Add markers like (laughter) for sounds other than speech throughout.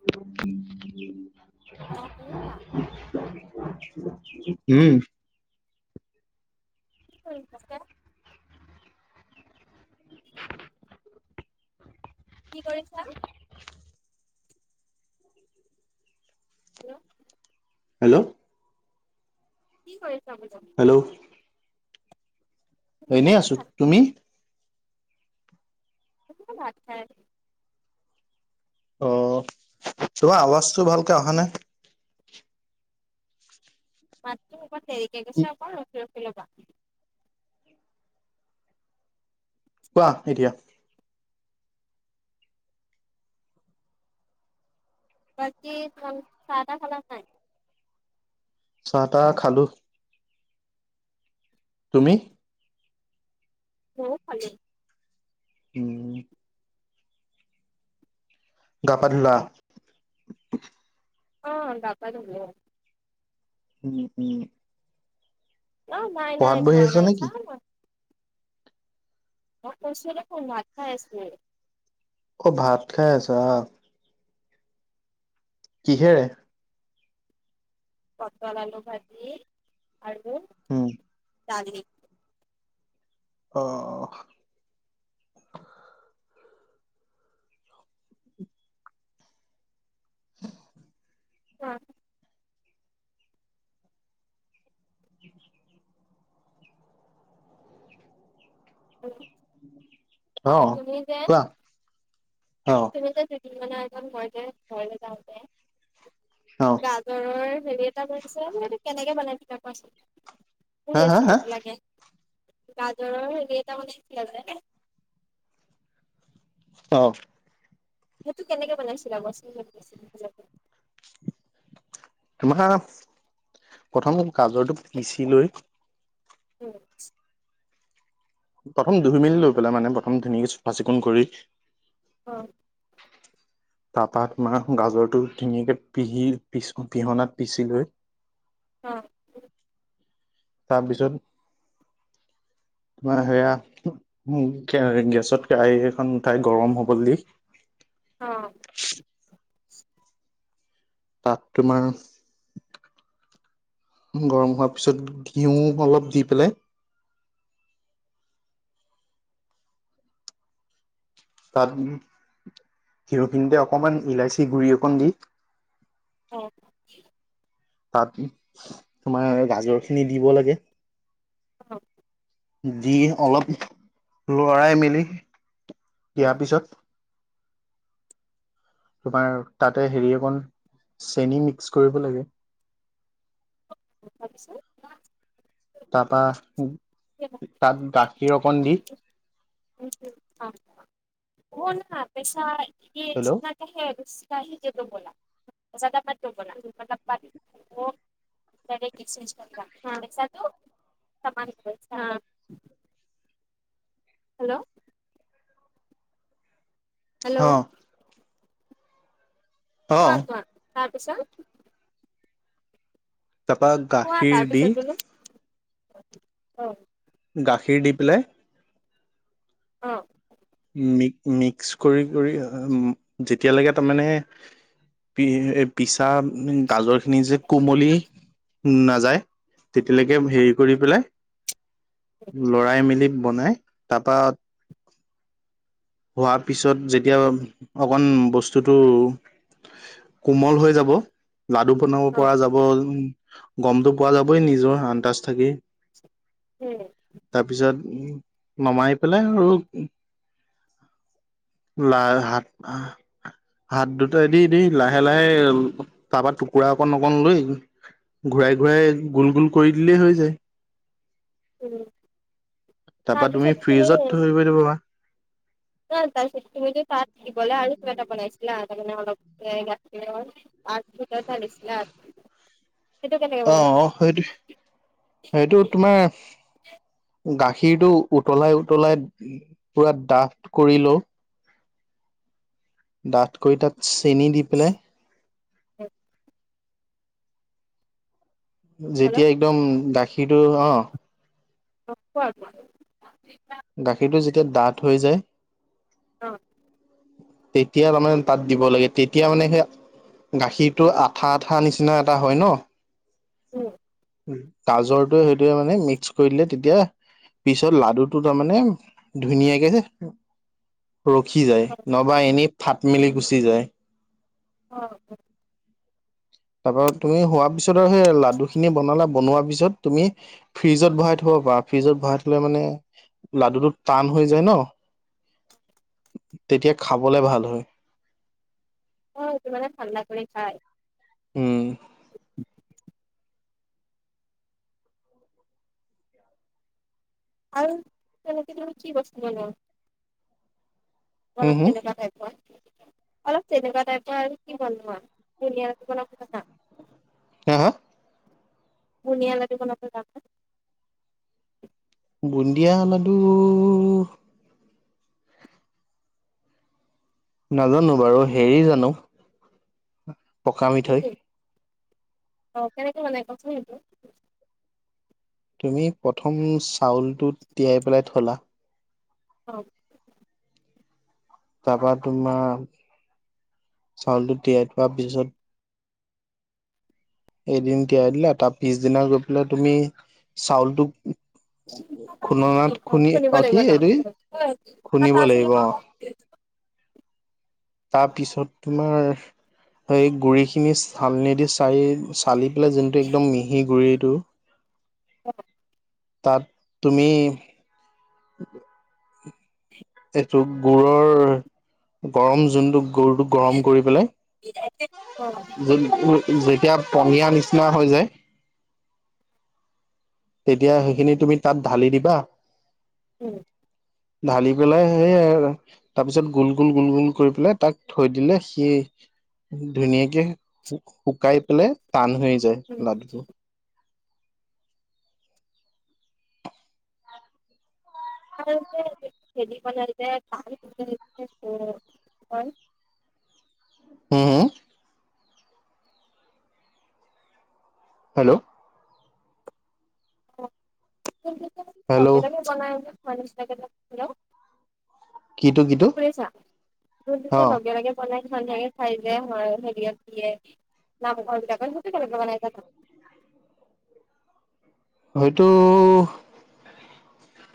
(unintelligible) অ' শুনিছা? উম। কি কৰিছা? (unintelligible) কি কৰিছা? হেল্ল'! হেল্ল'! কি কৰিছা বোলো? হেল্ল'! এনেই শুনিছানে আছো। নাই তুমি? মই ভাত খাই আছো। অ' তোমাৰ আৱাজটো ভালকে অহা নাই। মাতটো অকমান দেৰিকে কি গৈছে, অকণ ৰখি ৰখি ল'বা। কোৱা এতিয়া। বাকী (unintelligible) চাহ টাহ খাল নে নাই? চাহ টাহ খালো। তুমি? মইয়ো খালো। উম। গা পা ধুলা? অ' গা-পা ধুলো। উম, উম। অ', নাই পঢ়াত নাই বহি ধোৱা আছা নাই নেকি চাম আ মই কৈছোয়ে দেখোন ভাত খাই আছো। অ', ভাত খাই আছা? কিহেৰে? পতল আলু ভাজি আৰু উম। দালি। অ'। (inaudible) কোৱা? হেল্ল'? অ', কোৱা অ'। এইযে দুদিন মানৰ আগত মই যে ঘৰলে যাওঁতে অ গা জৰৰ হেৰি এটা কৰি দিছে এইতো কেনেকে বনাই কোৱাছোন? মোক হা হা হা ৰেচিপিটো লাগে, গাজৰৰ হেৰি এটা বনাইছিলা যে? অ'। সেইটো কেনেকৈ বনাইছিলা কোৱাছোন মোক (unintelligible) তোমাৰ, প্ৰথম গাজৰটো পিচি লৈ। উম। প্ৰথম ধুই মেলি লৈ পেলাই মানে প্ৰথম ধুনীয়াক চাফা চিকুণ কৰি। অ'। তাৰপৰা তোমাৰ গাজৰটো ধুনীয়াকে পিহি পিহনাত পিচি লৈ। অ'। তাৰপিছত তোমাৰ সেয়া গেছত কেৰাহি এখন উঠাই গৰম হ'বলৈ দি। অ'। (inaudible) তাত তোমাৰ গৰম হোৱাৰ পিছত ঘিউ অলপ দি পেলাই। তাত ঘিউ খিনিতে অকমান ইলাচি গুৰি অকণ দি। অ'। তাত তোমাৰ গাজৰখিনি দিব লাগে। অ'। দি অলপ লৰাই মেলি উম দিয়াৰ পিছত। তোমাৰ তাতে হেৰি অকণ চেনি মিক্স কৰিব লাগে। তাৰপিছত? তাৰপা তাত গাখীৰ অকণ দি হেল্ল' (unintelligible) (unintelligible) ডাইৰেট একচেঞ্জ কৰি লিয়া (unintelligible) হেল্ল'? হেল্ল'? অ অ কোৱা কোৱা তাৰপিছত? তাৰপা কোৱা গাখীৰ দি তাৰপিছত বোলো, অ'। গাখীৰ দি পেলাই অ মিক মিক্স কৰি কৰি যেতিয়ালৈকে তামানে এ পিচা গাজৰ খিনি যে কোমলি নাযায়। তেতিয়ালৈকে অ হেৰি কৰি পেলাই লৰাই মেলি বনাই তাৰপা হোৱাৰ পিছত যেতিয়া অকণ বস্তুটো কোমল হৈ যাব লাডু বনাব অ পৰা যাব উম গমটো পোৱা যাবই নিজৰ অন্দাচ থাকেই উম তাৰপিছত নমাই পেলাই আৰু লাইশাক হাত দুটাই দি দি লাহে লাহে তাৰপা টুকুৰা অকণ অকণ লৈ ঘূৰাই উম ঘূৰাই গোল গোল কৰি দিলেই হৈ যায়। উম। তাৰপা তুমি ফ্ৰিজত থৈ দিব পাৰা। ন তাৰপিছত তুমি যে তাত দিবলে আৰু কিবা এটা বনাইছ ছিলা তামানে অলপ সেইটো কেনেকে অ অ বনাইছিলা সেইটোৱে সেইটো তোমাৰ গাখীৰটো উতলাই উতলাই পুৰা ডাঠ কৰি লওঁ ডাঠ কৰি তাত চেনি দি পেলাই হয় হেল্ল' যেতিয়া একদম গাখীৰটো অ' অ' কোৱা কোৱা গাখীৰটো যেতিয়া ডাঠ হৈ যায়। অ তেতিয়া তাৰমানে তাত দিব লাগে তেতিয়া মানে সেই গাখীৰটো আঠা আঠা নিচিনা এটা হয় ন। উম গাজৰটোৱে সেইটোৱে মানে মিক্স কৰি দিলে তেতিয়া পিছত লাডু টো তাৰমানে ধুনীয়াকে ৰখি যায় অ নহবা এনেই ফাট মেলি গুচি যায়। অ হয় তাৰপা তুমি হোৱা পিছত আৰু সেই লাডু খিনি বনালা বনোৱাৰ পিছত তুমি ফ্ৰিজত ভৰাই থ'ব পাৰা ফ্ৰিজত ভৰাই থলে মানে লাডুটো টান হৈ যায় ন। তেতিয়া খাবলে ভাল হয়। অ সেইটো মানে ঠাণ্ডা কৰি খাই। উম আৰু তেনেকে তুমি কি বস্তু বনোৱা? হম অলপ হম তেনেকা টাইপৰ অলপ তেনেকুৱা টাইপৰ আৰু কি বনোৱা বুনিয়া বনাব জানা? হা হা? বুনীয়া লাডু বনাব জানা? বুন্দিয়া লাডু নাজানো বাৰু হেৰি জানোঁ পকা মিথৈ। নেকি অ', কেনেকে বনাই কওকচোন এইটো। তুমি প্ৰথম চাউলটো তিয়াই পেলাই থলা অ'। তাৰপা তোমাৰ চাউলটো তিয়াই থোৱা পিছত এদিন তিয়াই দিলা তাৰ পিছদিনা গৈ পেলাই তুমি চাউলটোক সেইটো খুন্দনাত খুন্দি শুনিব অ' লাগিব কি ন এইটো কি, খুন্দিব লাগিব অ'। (unintelligible) তাৰ পিছত তোমাৰ এই গুৰিখিনি চালনি দি চাৰি চালি পেলাই যোনটো একদম মিহি গুৰিটো অ'। তাত তুমি (inaudible) সেইটো গুৰৰ, গৰম যোনটো গুৰটো গৰম কৰি পেলাই, অ যোন-যেতিয়া পনীয়া নিচিনা হৈ যায় তেতিয়া সেইখিনি তুমি তাত ঢালি দিবা উম। ঢালি পেলাই সেইয়াই তাৰপিছত গুল গুল গুল গুল কৰি পেলাই তাক থৈ দিলে সি ধুনীয়াকে শুকাই পেলাই টান হৈ যায় হেৰি লাডুটো। তাৰ যে হেৰী বনাই যে টান যে (unintelligible) হয়। হু, হু? হেল্ল'। (unintelligible) হেল্ল' লগে লগে বনাই যে তোমাৰ নিচিনাকে, হেল্ল'। কিটো কিটো শুনিছা? যোনটো অ যে লগে লগে বনাই ধুনীয়াকে খাই যে ঘৰৰ হেৰিয়ট দিয়ে, নামঘৰবিলাকত (unintelligible) হয়টো,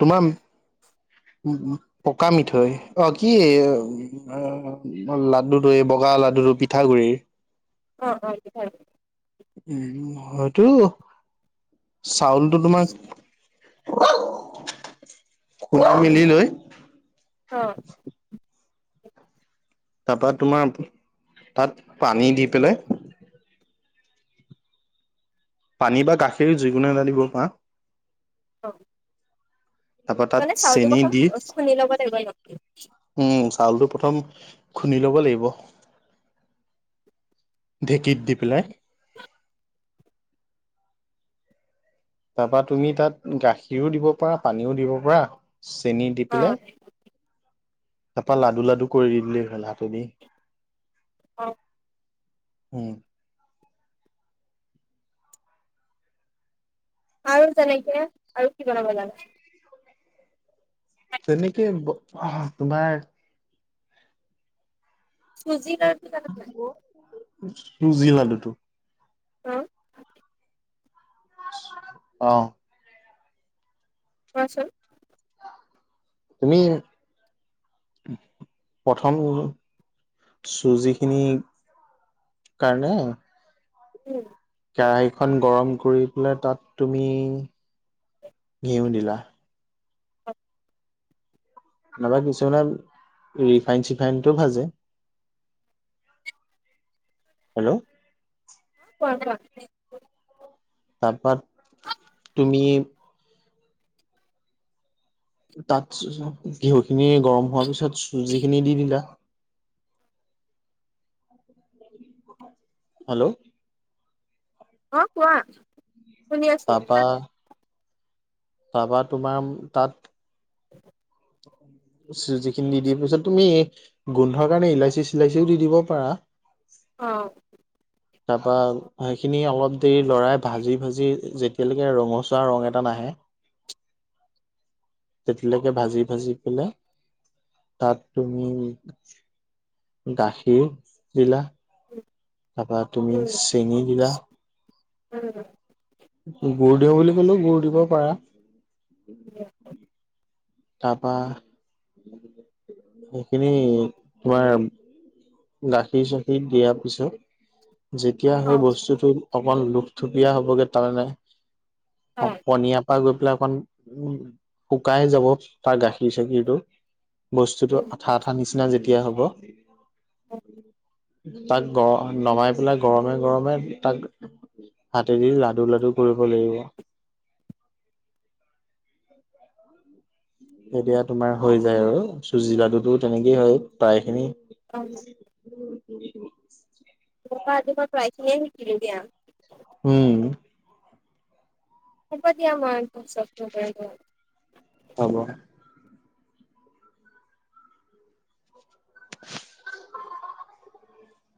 তোমাৰ পকা মিঠৈ অ', কি লাডুটো, এই বগা লাডুটো পিঠাগুৰিৰ অ', অ' (unintelligible) হয়টো, চাউলটো তোমাক খুন্দি মেলি লৈ অ'। তাৰপা তোমাৰ তাত পানী দি পেলাই পানী বা গাখীৰ যিকোনো এটা দিব পাৰা। অ'। তাৰপা তাত মানে চাউলটো চেনি প্ৰথম দি খ-খুন্দি ল'ব লাগিব (unintelligible) উম, চাউলটো প্ৰথম খুন্দি ল'ব লাগিব। ঢেঁকীত দি পেলাই। (inaudible) তাৰপা তুমি তাত গাখীৰো দিব পাৰা, পানীও দিব পাৰা, চেনী দি অ পেলাই তাৰপা লাডু লাডু কৰি দি দিলে হ'ল হাতোনি। অ'। হুম। আৰু তেনেকে আৰু কি বনাব জানা? তেনেকে ব তোমাৰ চুজি লাডুটো জানা নে নাই? জি লাডুটো? অ'। অ'। কোৱাচোন। তুমি প্ৰথম চুজিখিনি কাৰণে উম। কেৰাহিখন গৰম কৰি পেলাই তাত তুমি ঘিউ দিলা। (inaudible) নহ'বা কিছুমানে ৰিফাইন চিফাইনটো ভাজে। হেল্ল'। কোৱা কোৱা তাৰপা তুমি তাতচ ঘিহুখিনি গৰম হোৱাৰ পিছত চুজিখিনি দি দিলা। (inaudible) হেল্ল'। অ', কোৱা শুনি আছো। তাৰপা তাৰপা তোমাম তাত (inaudible) চুজিখিনি দি দিয়া পিছত তুমি গোন্ধৰ কাৰণে ইলাচি চিলাচিও দি দিব পাৰা। অ'। তাৰপা সেইখিনি অলপ দেৰি লৰাই ভাজি ভাজি যেতিয়ালৈকে ৰঙচুৱা ৰং এটা নাহে। তেতিলৈকে ভাজি ভাজি পেলে তাত তুমি গাখীৰ দিলা। উম। তাৰপা তুমি চেনী দিলা। উম। গুড় দিওঁ বুলি ক'লেও গুড় দিব পাৰা। (inaudible) তাৰপা সেইখিনি তোমাৰ গাখীৰ চাখিৰ দিয়া পিছত যেতিয়া হয় আজি বস্তুটো অকন লোকথুপীয়া হবগে তাৰনে প পনীয়া পা গৈ পেলাই অকন উ শুকাই যাব তাৰ গাখীৰ চাখীৰটো। বস্তুতটো আঠা আঠা নিচিনা যেতিয়া হ'ব। তাক গ নমাই পেলাই গৰমে গৰমে তাক হাতেদি লাডু লাডু কৰিব লাগিব। এতিয়া তোমাৰ হৈ যায় আৰু চুজি লাডুটো তেনেকেই হয় প্ৰায়খিনি তোমাৰ পৰা আজিব প্ৰায়খিনিয়ে শিকিলো দিয়া। উম। হ'ব দিয়া মই পাচতকে কৰি কম। হ'ব। (inaudible)